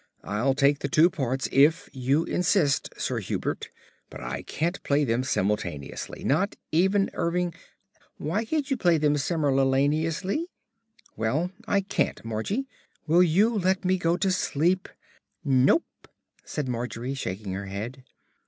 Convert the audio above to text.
I'll take the two parts if you insist, Sir Herbert, but I can't play them simultaneously. Not even Irving " "Why can't you play them simrulaleously?" "Well, I can't. Margie, will you let me go to sleep?" "Nope," said Margery, shaking her head.